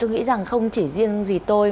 tôi nghĩ rằng không chỉ riêng dì tôi